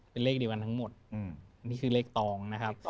เป็นเลขเดียวกันทั้งหมดนี่คือเลขตองนะครับ